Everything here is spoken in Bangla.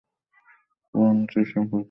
পুরাণে তার সম্পর্কে ভিন্ন ভিন্ন গল্প রয়েছে।